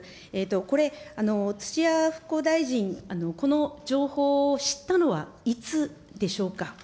これ、土屋復興大臣、この情報を知ったのはいつでしょうか。